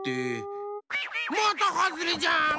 またはずれじゃん！